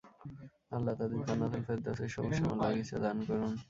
আল্লাহ তাঁদের জান্নাতুল ফেরদাউসের সবুজ শ্যামল বাগিচা দান করুন।